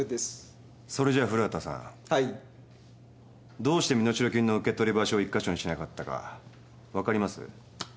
どうして身代金の受け取り場所を１か所にしなかったか分かります？